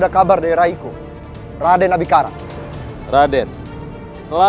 aku akan menyebabkannya